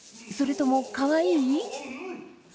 それともかわいい？